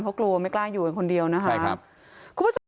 เพราะกลัวไม่กล้าอยู่กันคนเดียวนะครับใช่ครับ